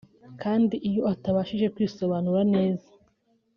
kandi iyo atabashije kwisobanura neza